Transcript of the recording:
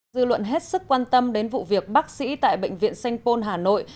dư luận hết sức quan tâm đến vụ việc bác sĩ tại bệnh viện sanh pôn hà nội